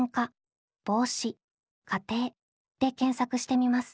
で検索してみます。